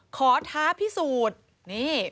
ขอท้าพิสูจน์